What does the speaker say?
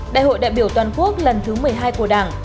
đại hội đại biểu toàn quốc lần thứ một mươi hai của đảng